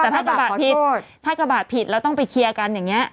แต่ถ้ากระบาดผิดถ้ากระบาดผิดเราต้องไปเคลียร์กันอย่างนี้